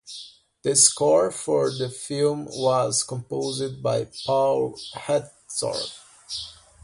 The score for the film was composed by Paul Hertzog.